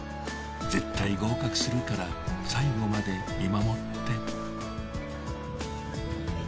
絶対合格するから最後まで見守って。